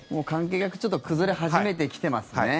関係がちょっと崩れ始めてきてますね。